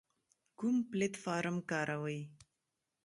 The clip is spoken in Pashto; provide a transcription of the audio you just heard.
کوم پلتفارم کاروئ؟